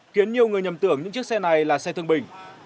khiến nhiều người nhầm tưởng những chiếc xe này là xe thương bình